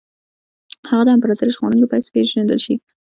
هغه د امپراطوري ژغورونکي په حیث وپېژندل شي.